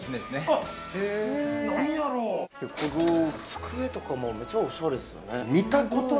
机とかもめっちゃ、おしゃれですよね。